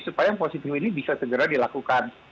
supaya yang positif ini bisa segera dilakukan